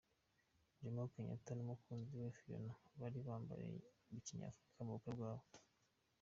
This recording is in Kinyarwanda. Jomo Kenyatta n’umukunzi we Fiona bari bambaye kinyafrika mu bukwe bwabo.